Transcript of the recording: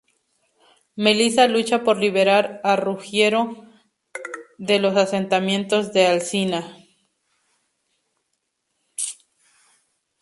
Melissa lucha por liberar a Ruggiero de los encantamientos de Alcina.